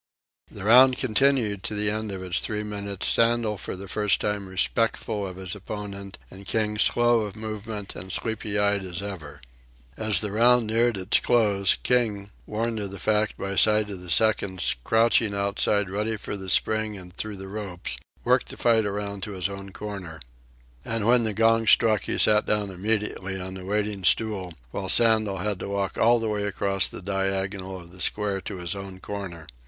The round continued to the end of its three minutes, Sandel for the first time respectful of his opponent and King slow of movement and sleepy eyed as ever. As the round neared its close, King, warned of the fact by sight of the seconds crouching outside ready for the spring in through the ropes, worked the fight around to his own corner. And when the gong struck, he sat down immediately on the waiting stool, while Sandel had to walk all the way across the diagonal of the square to his own corner.